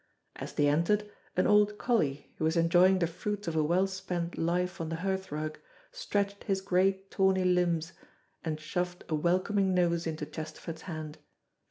As they entered, an old collie, who was enjoying the fruits of a well spent life on the hearthrug, stretched his great, tawny limbs, and shoved a welcoming nose into Chesterford's hand.